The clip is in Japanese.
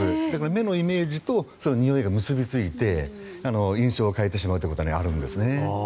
目のイメージとにおいが結びついて印象を変えてしまうことがあるんですね。